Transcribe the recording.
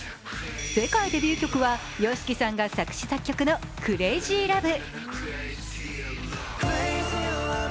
世界デビュー曲はＹＯＳＨＩＫＩさんが作詞作曲の「ＣｒａｚｙＬｏｖｅ」。